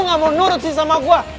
lo gak mau nurut sih sama gue